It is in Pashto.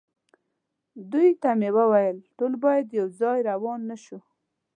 دوی ته مې وویل: ټول باید یو ځای روان نه شو.